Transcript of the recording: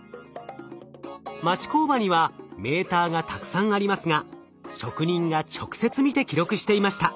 町工場にはメーターがたくさんありますが職人が直接見て記録していました。